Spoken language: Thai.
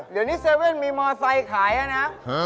เดี๋ยวนี้เซเว่นมีมอสไซค์ขายเลยนะ